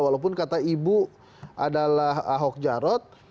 walaupun kata ibu adalah ahok jarot